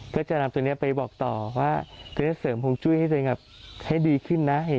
ก็จะนำตัวนี้ไปบอกต่อว่ามันจะเสริมพรงจุ้ยให้ดีขึ้นนะ